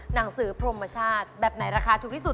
หนังสือพรมชาติแบบไหนราคาถูกที่สุด